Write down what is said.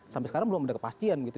sampai sekarang belum ada kepastian gitu